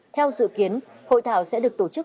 theo dự kiến hội thảo sẽ được tổ chức